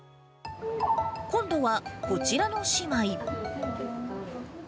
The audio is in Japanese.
今度は、こちらの姉妹。